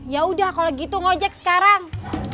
yaudah kalau gitu ngojek sekarang